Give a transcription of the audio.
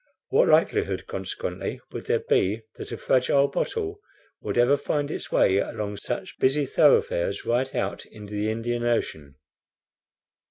What likelihood, consequently, would there be that a fragile bottle would ever find its way along such busy thoroughfares right out into the Indian Ocean?